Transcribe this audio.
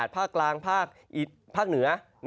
๒๖๒๘ภาคกลางภาคเหนือ